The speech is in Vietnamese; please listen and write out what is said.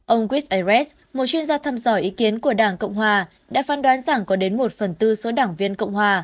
ông christ erez một chuyên gia thăm dò ý kiến của đảng cộng hòa đã phán đoán rằng có đến một phần tư số đảng viên cộng hòa